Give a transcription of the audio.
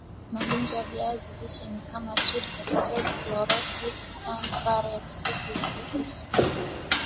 Magonjwa ya viazi lishe ni kama Sweet Potato Chlorotic Stunt virus SPCSV